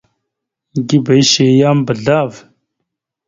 Gǝba ishe yam ɓəzlav.